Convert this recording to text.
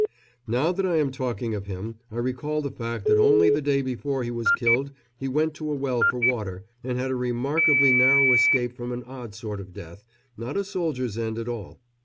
Now that I am talking of him I recall the fact that only the day before he was killed he went to a well for water, and had a remarkably narrow escape from an odd sort of death not a soldier's end at all.